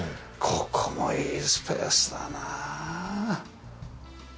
ここもいいスペースだな。